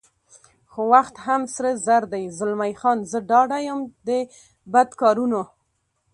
خو وخت هم سره زر دی، زلمی خان: زه ډاډه یم دې بدکارانو.